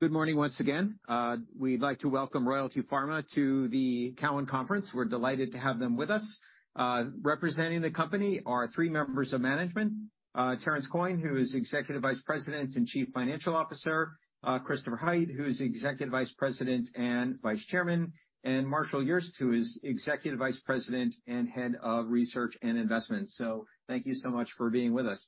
Good morning once again. We'd like to welcome Royalty Pharma to the Cowen Conference. We're delighted to have them with us. Representing the company are three members of management, Terrance Coyne, who is Executive Vice President and Chief Financial Officer, Christopher Hite, who is Executive Vice President and Vice Chairman, and Marshall Urist, who is Executive Vice President and Head of Research and Investments. Thank you so much for being with us.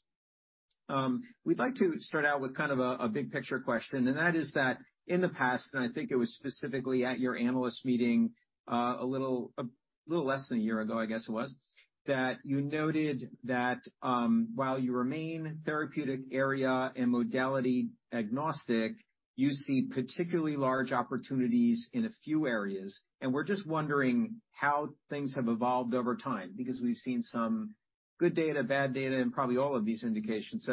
We'd like to start out with kind of a big picture question, and that is that in the past, and I think it was specifically at your analyst meeting, a little less than a year ago, I guess it was, that you noted that, while you remain therapeutic area and modality agnostic, you see particularly large opportunities in a few areas. We're just wondering how things have evolved over time, because we've seen some good data, bad data in probably all of these indications.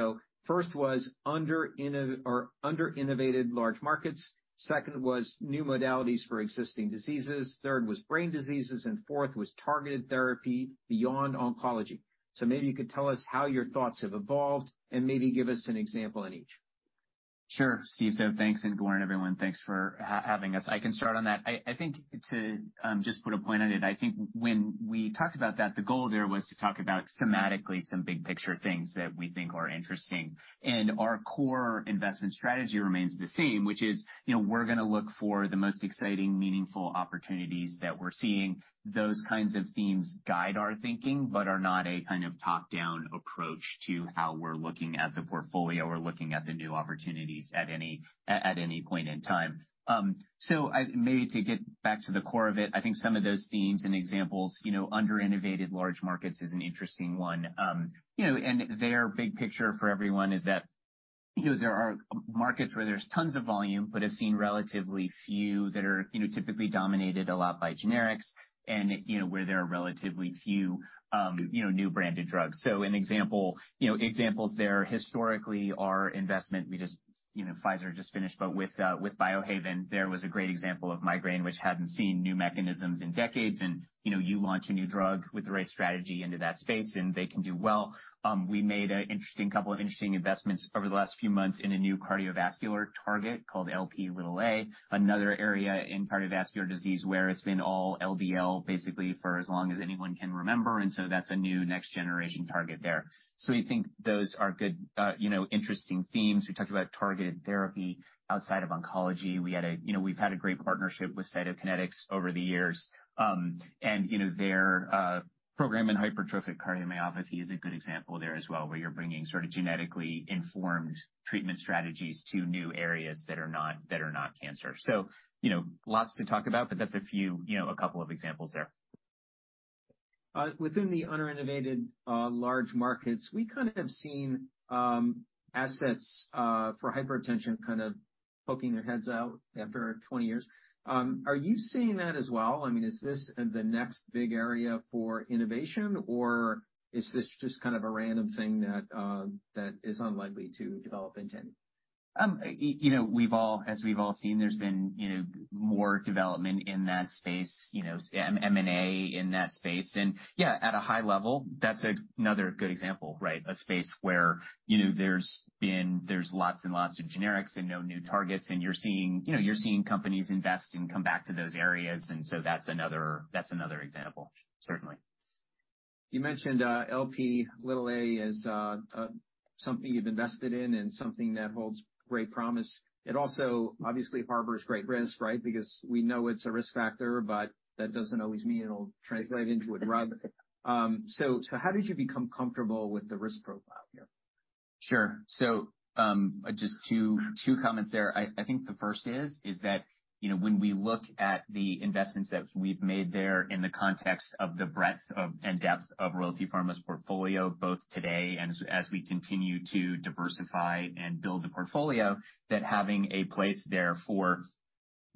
First was under-innovated large markets. Second was new modalities for existing diseases. Third was brain diseases, and fourth was targeted therapy beyond oncology. Maybe you could tell us how your thoughts have evolved and maybe give us an example in each. Sure, Steve. Thanks, and good morning, everyone. Thanks for having us. I can start on that. I think to just put a point on it, I think when we talked about that, the goal there was to talk about thematically some big picture things that we think are interesting. Our core investment strategy remains the same, which is, you know, we're gonna look for the most exciting, meaningful opportunities that we're seeing. Those kinds of themes guide our thinking, but are not a kind of top-down approach to how we're looking at the portfolio or looking at the new opportunities at any point in time. Maybe to get back to the core of it, I think some of those themes and examples, you know, under-innovated large markets is an interesting one. You know, their big picture for everyone is that, you know, there are markets where there's tons of volume, but have seen relatively few that are, you know, typically dominated a lot by generics and, you know, where there are relatively few new branded drugs. An example, you know, examples there historically are investment. We just, you know, Pfizer just finished, but with Biohaven, there was a great example of migraine which hadn't seen new mechanisms in decades. You know, you launch a new drug with the right strategy into that space, and they can do well. We made couple of interesting investments over the last few months in a new cardiovascular target called Lp(a). Another area in cardiovascular disease where it's been all LDL basically for as long as anyone can remember. That's a new next generation target there. We think those are good, you know, interesting themes. We talked about targeted therapy outside of oncology. We've had a great partnership with Cytokinetics over the years. You know, their program in hypertrophic cardiomyopathy is a good example there as well, where you're bringing sort of genetically informed treatment strategies to new areas that are not cancer. You know, lots to talk about, but that's a few, you know, a couple of examples there. Within the under-innovated, large markets, we kind of have seen, assets, for hypertension kind of poking their heads out after 20 years. Are you seeing that as well? I mean, is this, the next big area for innovation, or is this just kind of a random thing that is unlikely to develop intent? You know, as we've all seen, there's been, you know, more development in that space, you know, M&A in that space. Yeah, at a high level, that's another good example, right? A space where, you know, there's lots and lots of generics and no new targets, and you're seeing, you know, you're seeing companies invest and come back to those areas. That's another, that's another example, certainly. You mentioned Lp(a) as something you've invested in and something that holds great promise. It also obviously harbors great risk, right? Because we know it's a risk factor, but that doesn't always mean it'll translate into a drug. How did you become comfortable with the risk profile here? Sure. Just two comments there. I think the first is that, you know, when we look at the investments that we've made there in the context of the breadth of and depth of Royalty Pharma's portfolio, both today and as we continue to diversify and build the portfolio, that having a place there for,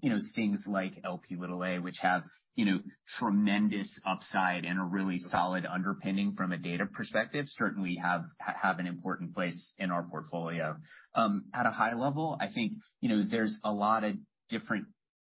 you know, things like Lp(a), which have, you know, tremendous upside and a really solid underpinning from a data perspective, certainly have an important place in our portfolio. At a high level, I think, you know, there's a lot of different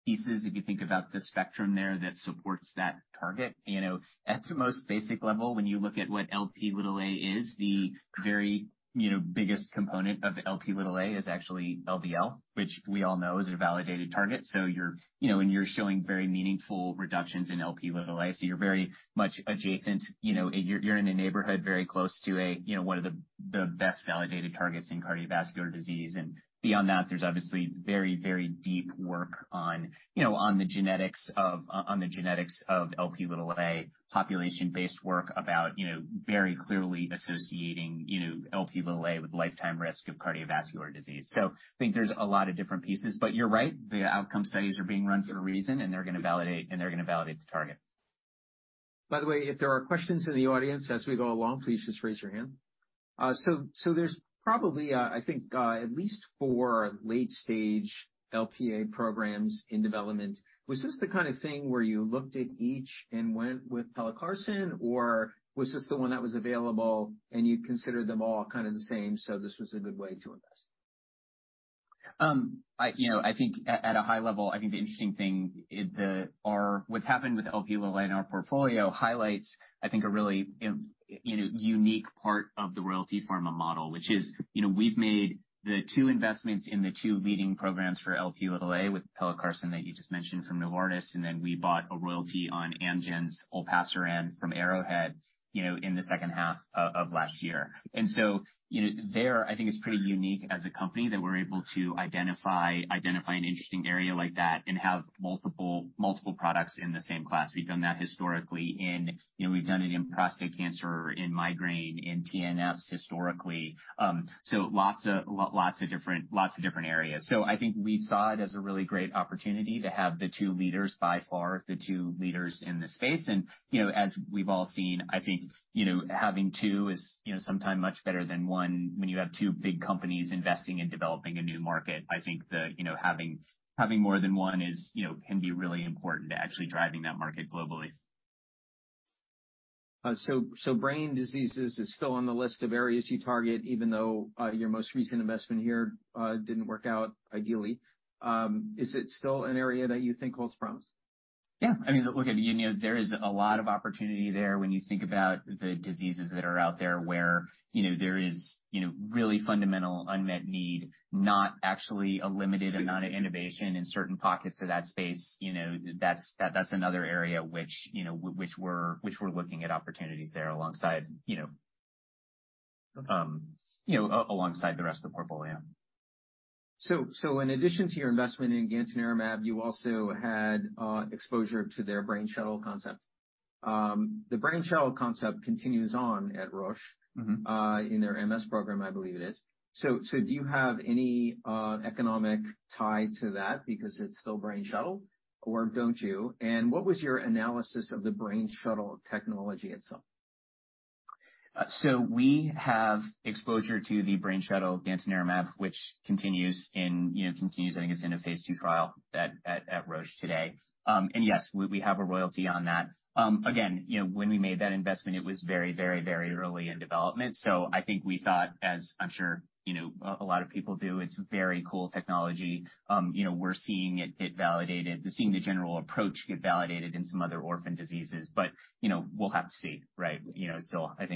pieces, if you think about the spectrum there that supports that target. You know, at the most basic level, when you look at what Lp(a) is, the very, you know, biggest component of Lp(a) is actually LDL, which we all know is a validated target. You're, you know, when you're showing very meaningful reductions in Lp(a), so you're very much adjacent, you know, you're in a neighborhood very close to a, you know, one of the best validated targets in cardiovascular disease. Beyond that, there's obviously very, very deep work on, you know, on the genetics of Lp(a), population-based work about, you know, very clearly associating, you know, Lp(a) with lifetime risk of cardiovascular disease. I think there's a lot of different pieces. You're right, the outcome studies are being run for a reason, and they're gonna validate the target. By the way, if there are questions in the audience as we go along, please just raise your hand. There's probably, I think, at least four late-stage Lp(a) programs in development. Was this the kind of thing where you looked at each and went with pelacarsen, or was this the one that was available and you considered them all kind of the same, so this was a good way to invest? I, you know, I think at a high level, I think the interesting thing is or what's happened with Lp(a) in our portfolio highlights, I think a really, you know, unique part of the Royalty Pharma model, which is, you know, we've made the two investments in the two leading programs for Lp(a) with pelacarsen that you just mentioned from Novartis, and then we bought a royalty on Amgen's olpasiran from Arrowhead, you know, in the second half of last year. There, I think it's pretty unique as a company that we're able to identify an interesting area like that and have multiple products in the same class. We've done that historically in prostate cancer, in migraine, in TNS historically. Lots of different areas. I think we saw it as a really great opportunity to have the two leaders, by far the two leaders in this space. You know, as we've all seen, I think, you know, having two is, you know, sometime much better than one when you have two big companies investing in developing a new market. I think the, you know, having more than one is, you know, can be really important to actually driving that market globally. Brain diseases is still on the list of areas you target, even though, your most recent investment here, didn't work out ideally. Is it still an area that you think holds promise? Yeah. I mean, look, you know, there is a lot of opportunity there when you think about the diseases that are out there where, you know, there is, you know, really fundamental unmet need, not actually a limited amount of innovation in certain pockets of that space. You know, that's another area which, you know, we're looking at opportunities there alongside, you know, alongside the rest of the portfolio. In addition to your investment in gantenerumab, you also had exposure to their Brainshuttle concept. The Brainshuttle concept continues on at Roche- Mm-hmm. in their MS program, I believe it is. Do you have any economic tie to that because it's still Brainshuttle or don't you? What was your analysis of the Brainshuttle technology itself? We have exposure to the Brainshuttle gantenerumab, which continues in, you know, continues, I think it's in a Phase 2 trial at Roche today. Yes, we have a royalty on that. Again, you know, when we made that investment, it was very early in development. I think we thought, as I'm sure you know, a lot of people do, it's very cool technology. You know, we're seeing it get validated. Seeing the general approach get validated in some other orphan diseases. You know, we'll have to see, right? You know, I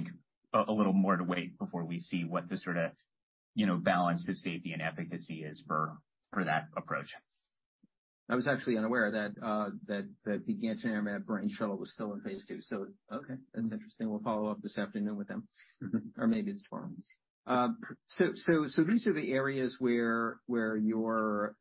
think a little more to wait before we see what the sorta, you know, balance to safety and efficacy is for that approach. I was actually unaware that the gantenerumab Brainshuttle was still in Phase 2. Okay. That's interesting. We'll follow up this afternoon with them. Mm-hmm. Maybe it's tomorrow. These are the areas where you're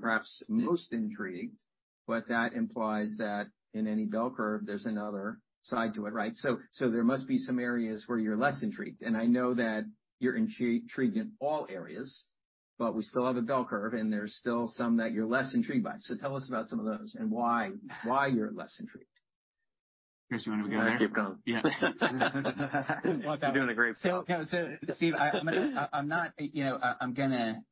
perhaps most intrigued, but that implies that in any bell curve, there's another side to it, right? There must be some areas where you're less intrigued. I know that you're intrigued in all areas, but we still have a bell curve, and there's still some that you're less intrigued by. Tell us about some of those and why you're less intrigued? Chris, you wanna go there? Yeah, keep going. Yeah. You're doing a great job. So Steve, you know, I'm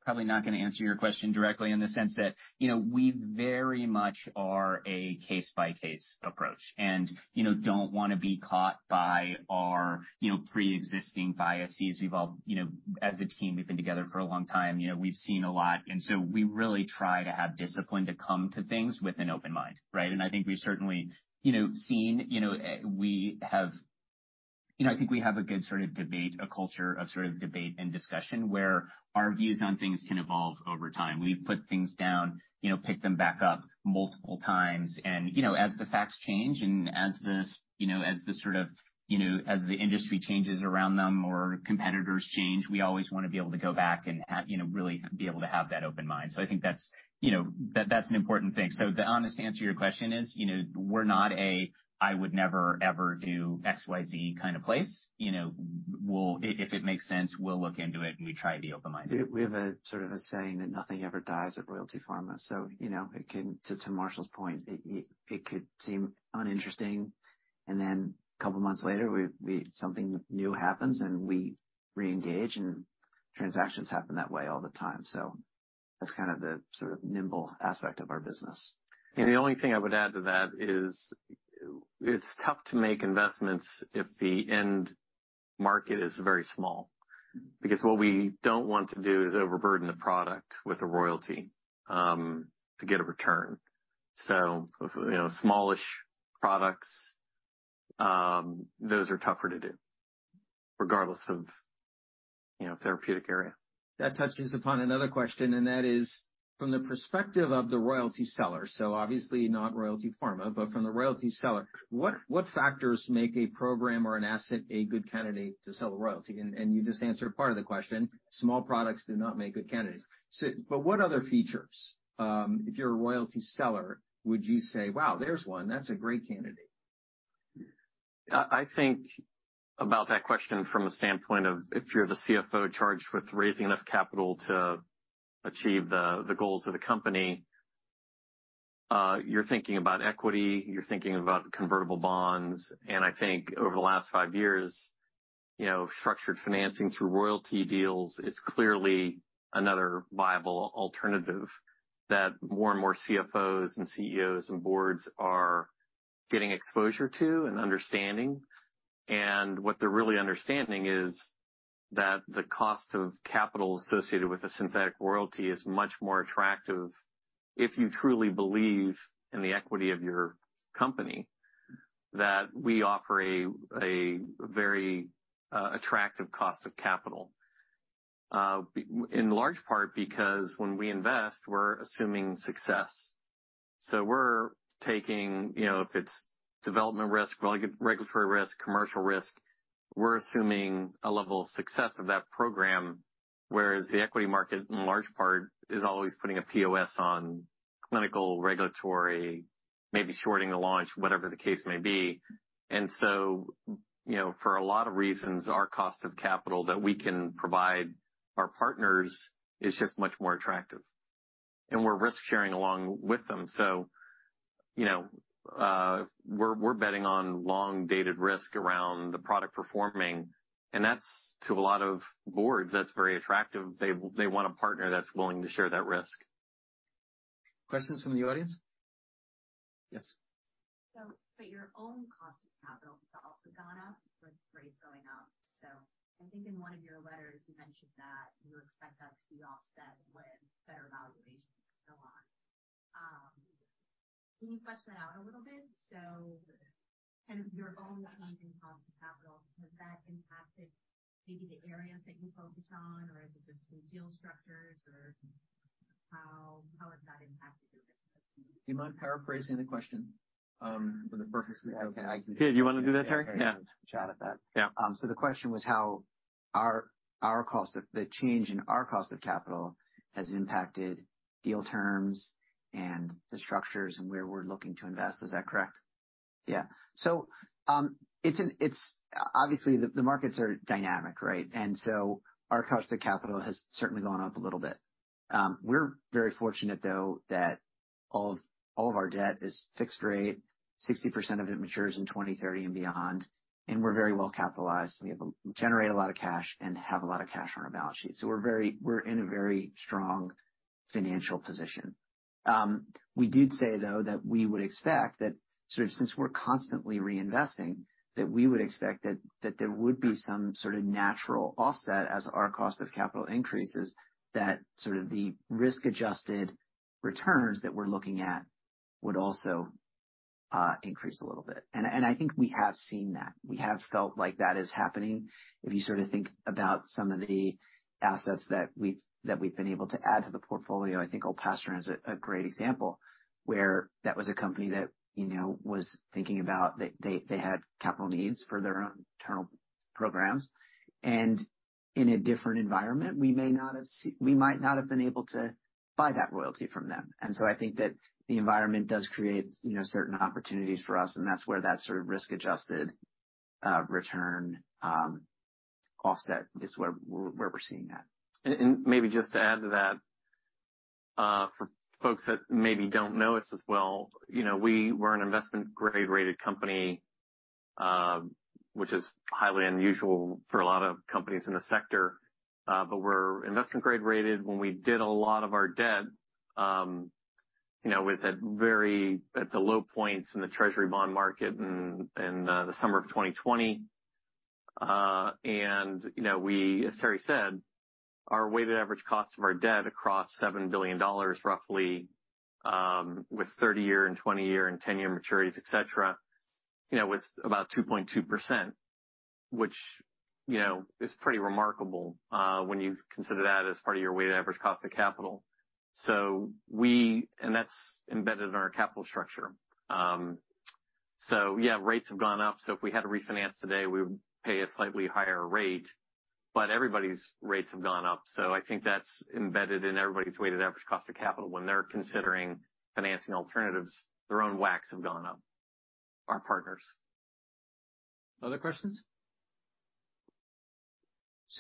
probably not gonna answer your question directly in the sense that, you know, we very much are a case-by-case approach and, you know, don't wanna be caught by our, you know, preexisting biases. We've all, you know, as a team, we've been together for a long time. You know, we've seen a lot. We really try to have discipline to come to things with an open mind, right. I think we've certainly, you know, seen. You know, I think we have a good sort of debate, a culture of sort of debate and discussion where our views on things can evolve over time. We've put things down, you know, picked them back up multiple times. You know, as the facts change and as the, you know, as the sort of, you know, as the industry changes around them or competitors change, we always wanna be able to go back and, you know, really be able to have that open mind. I think that's, you know, that's an important thing. The honest answer to your question is, you know, we're not a, "I would never, ever do XYZ" kind of place. You know, if it makes sense, we'll look into it, and we try to be open-minded. We have a sort of a saying that nothing ever dies at Royalty Pharma. You know, to Marshall's point, it could seem uninteresting, couple months later, something new happens, we reengage, transactions happen that way all the time. That's kind of the sort of nimble aspect of our business. The only thing I would add to that is it's tough to make investments if the end market is very small. Because what we don't want to do is overburden the product with a royalty, to get a return. You know, smallish products, those are tougher to do regardless of, you know, therapeutic area. That touches upon another question, and that is from the perspective of the royalty seller, so obviously not Royalty Pharma, but from the royalty seller, what factors make a program or an asset a good candidate to sell a royalty? You just answered part of the question. Small products do not make good candidates. What other features, if you're a royalty seller, would you say, "Wow, there's one. That's a great candidate"? I think about that question from a standpoint of if you're the CFO charged with raising enough capital to achieve the goals of the company, you're thinking about equity, you're thinking about convertible bonds. I think over the last five years, you know, structured financing through royalty deals is clearly another viable alternative that more and more CFOs and CEOs and boards are. Getting exposure to and understanding. What they're really understanding is that the cost of capital associated with the synthetic royalty is much more attractive if you truly believe in the equity of your company, that we offer a very attractive cost of capital. In large part because when we invest, we're assuming success. We're taking, you know, if it's development risk, regulatory risk, commercial risk, we're assuming a level of success of that program, whereas the equity market, in large part, is always putting a POS on clinical, regulatory, maybe shorting the launch, whatever the case may be. You know, for a lot of reasons, our cost of capital that we can provide our partners is just much more attractive. We're risk-sharing along with them. You know, we're betting on long-dated risk around the product performing, and that's to a lot of boards, that's very attractive. They want a partner that's willing to share that risk. Questions from the audience? Yes. For your own cost of capital to also gone up with rates going up. I think in one of your letters you mentioned that you expect that to be offset with better valuations so on. Can you flesh that out a little bit? Kind of your own changing cost of capital, has that impacted maybe the areas that you focus on, or is it just the deal structures, or how has that impacted your business? Do you mind paraphrasing the question, for the purpose of? Yeah. Yeah, do you wanna do that, Terry? Yeah. Sure, I can have a shot at that. Yeah. The question was how the change in our cost of capital has impacted deal terms and the structures and where we're looking to invest. Is that correct? Yeah. It's obviously the markets are dynamic, right? Our cost of capital has certainly gone up a little bit. We're very fortunate, though, that all of our debt is fixed rate, 60% of it matures in 2030 and beyond, and we're very well capitalized. We generate a lot of cash and have a lot of cash on our balance sheet. We're in a very strong financial position. We did say, though, that we would expect that sort of since we're constantly reinvesting, that there would be some sort of natural offset as our cost of capital increases, that sort of the risk-adjusted returns that we're looking at would also increase a little bit. I think we have seen that. We have felt like that is happening. If you sort of think about some of the assets that we've been able to add to the portfolio, I think Evrysdi is a great example, where that was a company that, you know, was thinking about they had capital needs for their own internal programs. In a different environment, we might not have been able to buy that royalty from them. I think that the environment does create, you know, certain opportunities for us, and that's where that sort of risk-adjusted return offset is where we're seeing that. Maybe just to add to that, for folks that maybe don't know us as well, you know, we were an investment grade rated company, which is highly unusual for a lot of companies in the sector, but we're investment grade rated when we did a lot of our debt, you know, was at the low points in the treasury bond market in the summer of 2020. You know, we as Terry said, our weighted average cost of our debt across $7 billion roughly, with 30-year and 20-year and 10-year maturities, et cetera, you know, was about 2.2%, which, you know, is pretty remarkable, when you consider that as part of your weighted average cost of capital. That's embedded in our capital structure. Yeah, rates have gone up, so if we had to refinance today, we would pay a slightly higher rate, but everybody's rates have gone up. I think that's embedded in everybody's weighted average cost of capital when they're considering financing alternatives. Their own WAC have gone up, our partners. Other questions?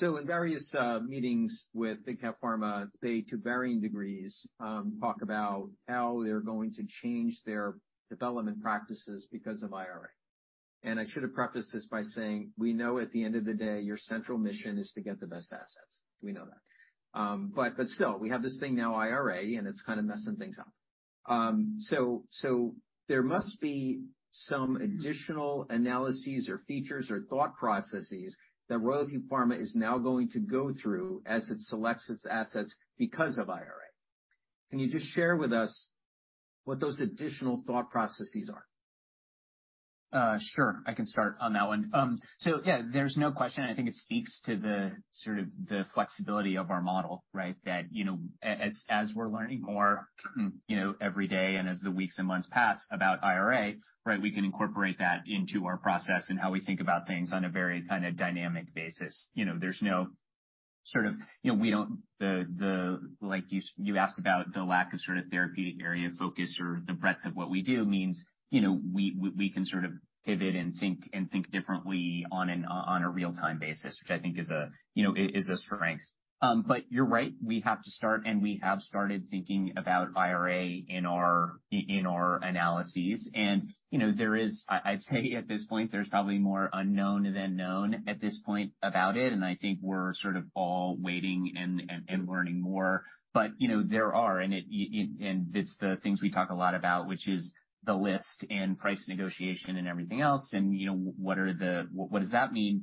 In various meetings with big cap Pharma, they, to varying degrees, talk about how they're going to change their development practices because of IRA. I should have prefaced this by saying, we know at the end of the day, your central mission is to get the best assets. We know that. But still, we have this thing now, IRA, and it's kinda messing things up. So there must be some additional analyses or features or thought processes that Royalty Pharma is now going to go through as it selects its assets because of IRA. Can you just share with us what those additional thought processes are? Sure. I can start on that one. Yeah, there's no question, and I think it speaks to the, sort of, the flexibility of our model, right? That, you know, as we're learning more, you know, every day and as the weeks and months pass about IRA, right, we can incorporate that into our process and how we think about things on a very kinda dynamic basis. You know, there's no. Sort of, you know, like you asked about the lack of sort of therapeutic area focus or the breadth of what we do means, you know, we can sort of pivot and think differently on a real-time basis, which I think is a, you know, is a strength. You're right, we have to start and we have started thinking about IRA in our analyses. You know, there is I'd say at this point, there's probably more unknown than known at this point about it, and I think we're sort of all waiting and learning more. You know, there are, and it's the things we talk a lot about, which is the list and price negotiation and everything else, and, you know, what does that mean?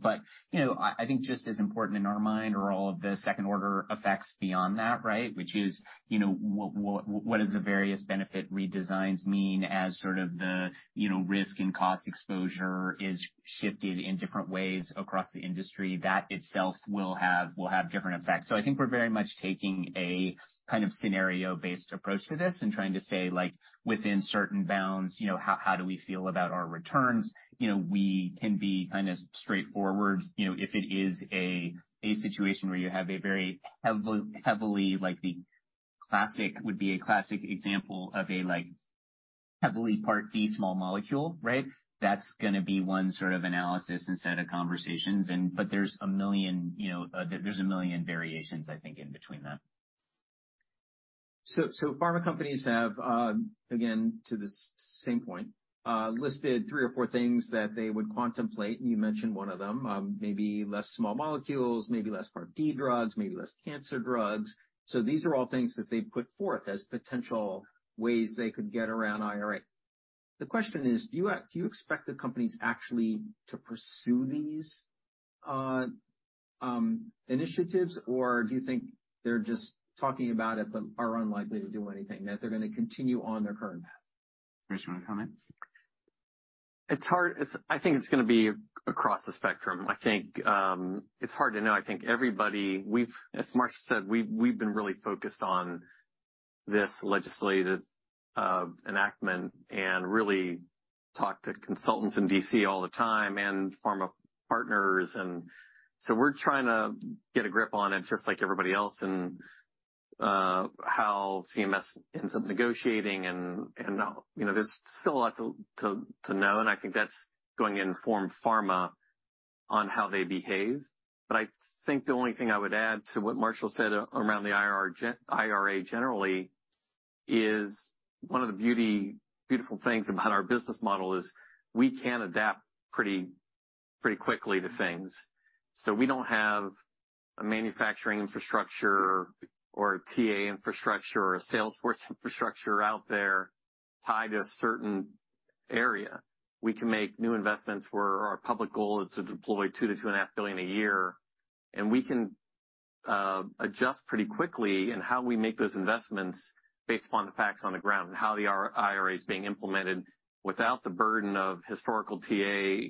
You know, I think just as important in our mind are all of the second order effects beyond that, right? Which is, you know, what does the various benefit redesigns mean as sort of the, you know, risk and cost exposure is shifting in different ways across the industry. That itself will have different effects. I think we're very much taking a kind of scenario-based approach to this and trying to say, like, within certain bounds, you know, how do we feel about our returns? You know, we can be kinda straightforward, you know, if it is a situation where you have a very heavily, like the classic example of a, like, heavily Part D small molecule, right? That's gonna be one sort of analysis and set of conversations. There's 1 million, you know, variations, I think, in between that. Pharma companies have, again, to the same point, listed three or four things that they would contemplate, and you mentioned one of them. Maybe less small molecules, maybe less Part D drugs, maybe less cancer drugs. These are all things that they put forth as potential ways they could get around IRA. The question is, do you expect the companies actually to pursue these initiatives, or do you think they're just talking about it, but are unlikely to do anything, that they're gonna continue on their current path? Chris, you wanna comment? It's hard. I think it's gonna be across the spectrum. I think, it's hard to know. I think As Marshall said, we've been really focused on this legislative enactment and really talk to consultants in D.C. all the time and pharma partners. We're trying to get a grip on it just like everybody else and, how CMS ends up negotiating and, you know, there's still a lot to know, and I think that's going to inform pharma on how they behave. I think the only thing I would add to what Marshall said around the IRA generally is one of the beautiful things about our business model is we can adapt pretty quickly to things. We don't have a manufacturing infrastructure or TA infrastructure or a sales force infrastructure out there tied to a certain area. We can make new investments where our public goal is to deploy $2 billion-$2.5 billion a year. We can adjust pretty quickly in how we make those investments based upon the facts on the ground and how the IRA is being implemented without the burden of historical TA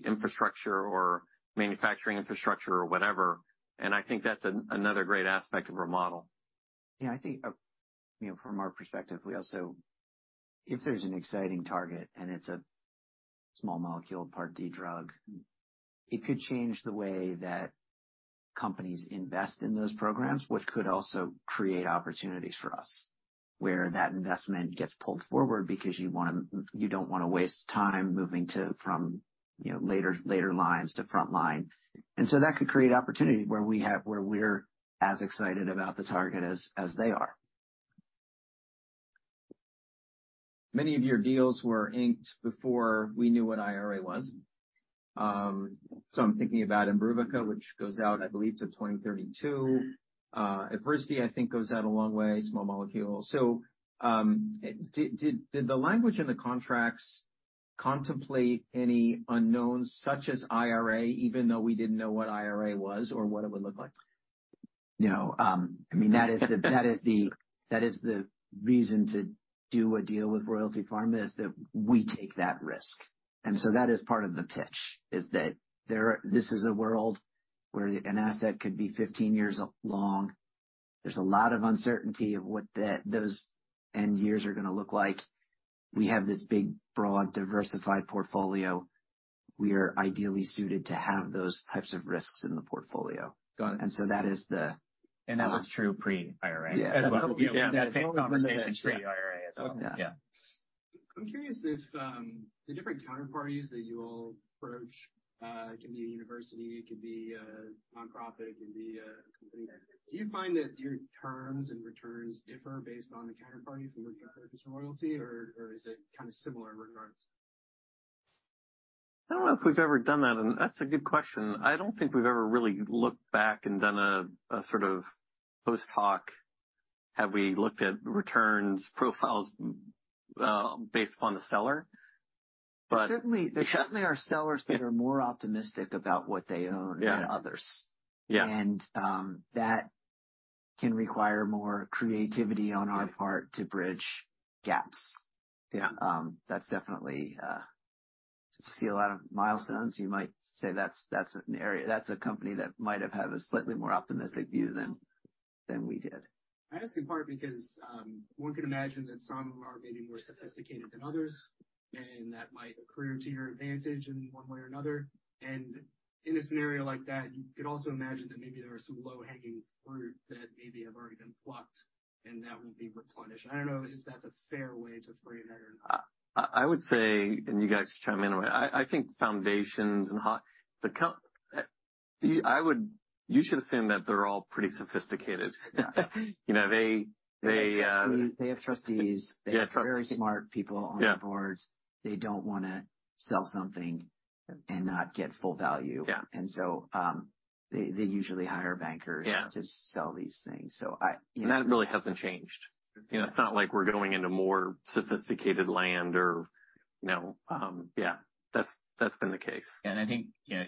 infrastructure or manufacturing infrastructure or whatever. I think that's another great aspect of our model. Yeah, I think, you know, from our perspective, we also... If there's an exciting target and it's a small molecule Part D drug, it could change the way that companies invest in those programs, which could also create opportunities for us where that investment gets pulled forward because you don't wanna waste time moving to, from, you know, later lines to front line. That could create opportunity where we're as excited about the target as they are. Many of your deals were inked before we knew what IRA was. I'm thinking about Imbruvica, which goes out, I believe, to 2032. Evrysdi, I think, goes out a long way, small molecule. Did the language in the contracts contemplate any unknowns such as IRA, even though we didn't know what IRA was or what it would look like? No. I mean, that is the reason to do a deal with Royalty Pharma is that we take that risk. That is part of the pitch, is that this is a world where an asset could be 15 years long. There's a lot of uncertainty of what those end years are gonna look like. We have this big, broad, diversified portfolio. We are ideally suited to have those types of risks in the portfolio. Got it. And so that is the- That was true pre-IRA as well. Yeah. We had the same conversation pre-IRA as well. Yeah. Yeah. I'm curious if the different counterparties that you all approach can be a university, it can be a nonprofit, it can be a company. Do you find that your terms and returns differ based on the counterparty from which you're purchasing royalty or is it kinda similar in regards? I don't know if we've ever done that. That's a good question. I don't think we've ever really looked back and done a sort of post-hoc. Have we looked at returns profiles, based upon the seller? There certainly are sellers that are more optimistic about what they own than others. Yeah. that can require more creativity on our part to bridge gaps. Yeah. That's definitely... If you see a lot of milestones, you might say that's a company that might have had a slightly more optimistic view than- Than we did. I ask in part because, one could imagine that some are maybe more sophisticated than others, and that might accrue to your advantage in one way or another. In a scenario like that, you could also imagine that maybe there are some low-hanging fruit that maybe have already been plucked and that won't be replenished. I don't know if that's a fair way to frame it or not. I would say, and you guys chime in, I think. You should assume that they're all pretty sophisticated. You know, they. They have trustees. Yeah, trustees. They have very smart people on their boards. Yeah. They don't wanna sell something and not get full value. Yeah. They usually hire bankers. Yeah... to sell these things. I, you know. That really hasn't changed. You know, it's not like we're going into more sophisticated land or, you know, Yeah, that's been the case. I think, you know,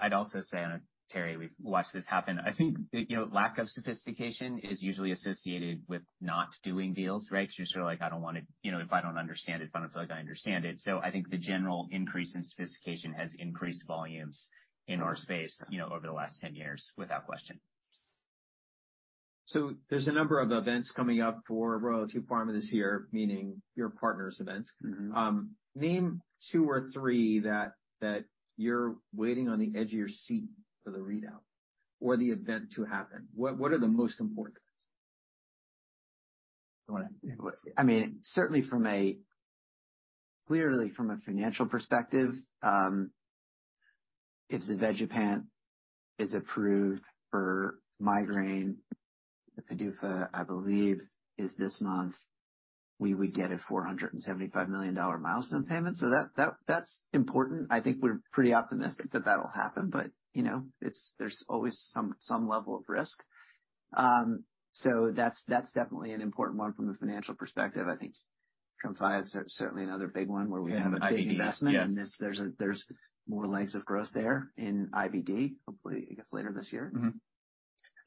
I'd also say, Terry, we've watched this happen. I think, you know, lack of sophistication is usually associated with not doing deals, right? You're sort of like, you know, if I don't understand it, if I don't feel like I understand it. I think the general increase in sophistication has increased volumes in our space, you know, over the last 10 years, without question. There's a number of events coming up for Royalty Pharma this year, meaning your partners' events. Mm-hmm. name two or three that you're waiting on the edge of your seat for the readout or the event to happen. What are the most important ones? Go on. I mean, certainly from a clearly from a financial perspective, if zavegepant is approved for migraine, the PDUFA, I believe, is this month, we would get a $475 million milestone payment. That's important. I think we're pretty optimistic that that'll happen. You know, there's always some level of risk. That's definitely an important one from a financial perspective. I think Tremfya is certainly another big one where we have a big investment. Yes. There's more lines of growth there in IBD, hopefully, I guess, later this year.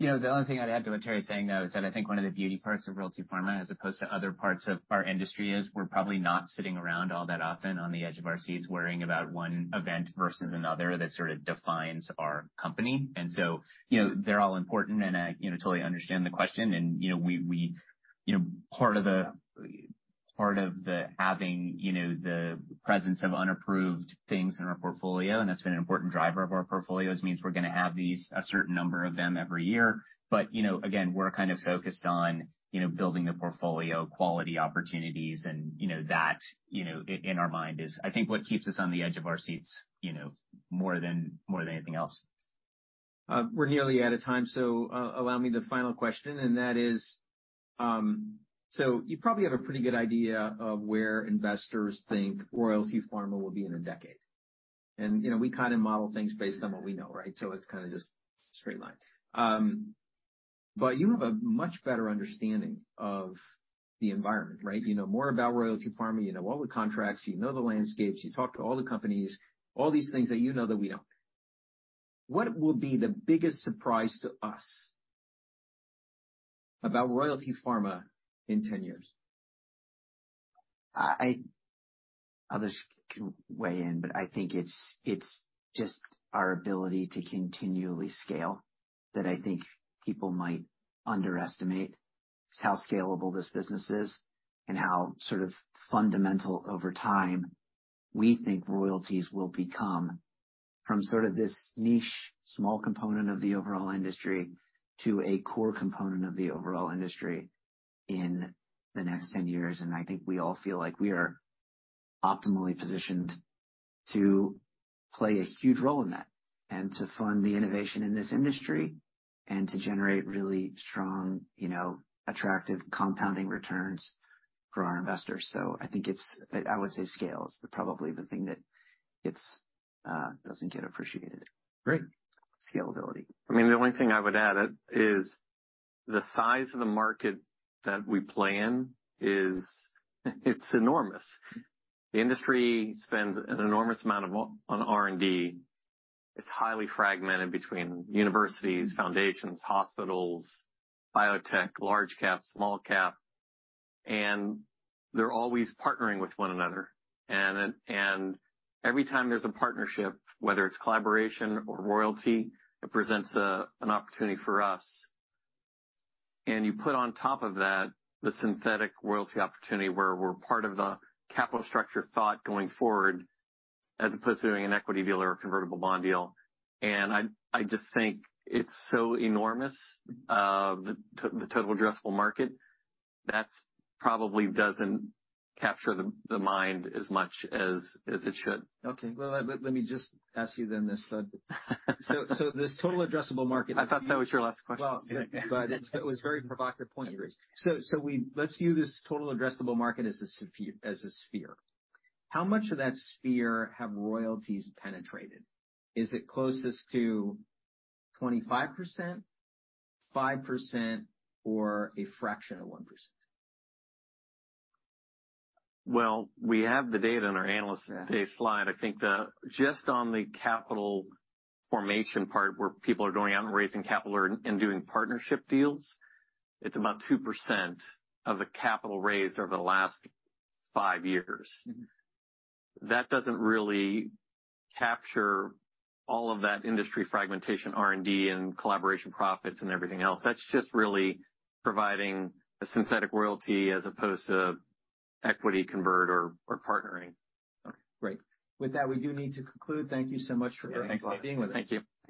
You know, the only thing I'd add to what Terry's saying, though, is that I think one of the beauty parts of Royalty Pharma, as opposed to other parts of our industry, is we're probably not sitting around all that often on the edge of our seats worrying about one event versus another that sort of defines our company. You know, they're all important, and I, you know, totally understand the question. You know, we, you know, part of the having, you know, the presence of unapproved things in our portfolio, and that's been an important driver of our portfolios, means we're gonna have these, a certain number of them every year. You know, again, we're kind of focused on, you know, building a portfolio, quality opportunities, and, you know, that, you know, in our mind is, I think what keeps us on the edge of our seats, you know, more than anything else. We're nearly out of time, allow me the final question, and that is, you probably have a pretty good idea of where investors think Royalty Pharma will be in a decade. You know, we kinda model things based on what we know, right? It's kinda just straight line. You have a much better understanding of the environment, right? You know more about Royalty Pharma. You know all the contracts. You know the landscapes. You talk to all the companies, all these things that you know that we don't. What will be the biggest surprise to us about Royalty Pharma in 10 years? I, others can weigh in, but I think it's just our ability to continually scale that I think people might underestimate, is how scalable this business is and how sort of fundamental over time we think royalties will become from sort of this niche, small component of the overall industry to a core component of the overall industry in the next 10 years. I think we all feel like we are optimally positioned to play a huge role in that and to fund the innovation in this industry and to generate really strong, you know, attractive compounding returns for our investors. I think it's, I would say scale is probably the thing that it doesn't get appreciated. Great. Scalability. I mean, the only thing I would add is the size of the market that we play in is, it's enormous. The industry spends an enormous amount on R&D. It's highly fragmented between universities, foundations, hospitals, biotech, large cap, small cap, they're always partnering with one another. Every time there's a partnership, whether it's collaboration or royalty, it presents an opportunity for us. You put on top of that the synthetic royalty opportunity where we're part of the capital structure thought going forward as opposed to doing an equity deal or a convertible bond deal. I just think it's so enormous, the total addressable market, that probably doesn't capture the mind as much as it should. Okay. Well, let me just ask you then this. This total addressable market- I thought that was your last question. It was a very provocative point you raised. Let's view this total addressable market as a sphere. How much of that sphere have royalties penetrated? Is it closest to 25%, 5%, or a fraction of 1%? Well, we have the data in our analyst today's slide. I think just on the capital formation part, where people are going out and raising capital and doing partnership deals, it's about 2% of the capital raised over the last five years. That doesn't really capture all of that industry fragmentation, R&D and collaboration profits and everything else. That's just really providing a synthetic royalty as opposed to equity convert or partnering. Okay, great. With that, we do need to conclude. Thank you so much for being with us. Thanks a lot. Thank you. Thank you.